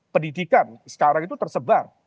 pendidikan sekarang itu tersebar